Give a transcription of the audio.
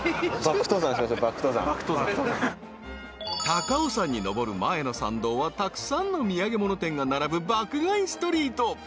［高尾山に登る前の山道はたくさんの土産物店が並ぶ爆買いストリート］